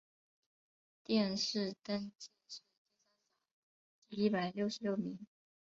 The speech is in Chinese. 殿试登进士第三甲第一百六十六名。